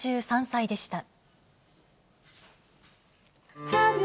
７３歳でした。